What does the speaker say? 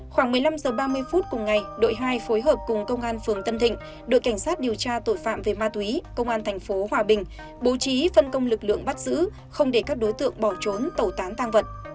khoảng một mươi năm h ba mươi phút cùng ngày đội hai phối hợp cùng công an phường tân thịnh đội cảnh sát điều tra tội phạm về ma túy công an thành phố hòa bình bố trí phân công lực lượng bắt giữ không để các đối tượng bỏ trốn tẩu tán tăng vật